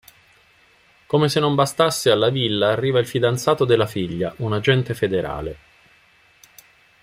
Come se non bastasse alla villa arriva il fidanzato della figlia, un agente federale...